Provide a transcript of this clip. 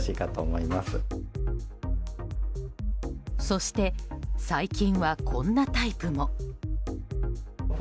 そして最近はこんなタイプも。